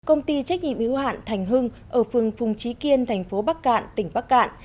công ty trách nhiệm yếu hạn thành hưng ở phường phùng trí kiên thành phố bắc cạn tỉnh bắc cạn